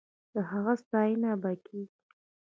د هغه ستاينه به کېږي.